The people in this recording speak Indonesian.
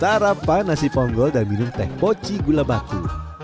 sarapan nasi ponggol dan minum teh poci gula batu